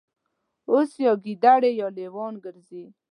اوس یا ګیدړې یا لېوان ګرځي